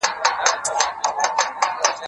زه اوس کتابونه لولم؟